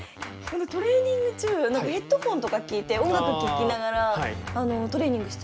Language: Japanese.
トレーニング中何かヘッドホンとか聴いて音楽聴きながらトレーニングしたりとかはしないんですか？